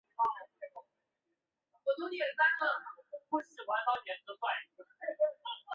普乐爵士亦有份与遮打爵士及港督卢嘉爵士等人筹备创立香港大学。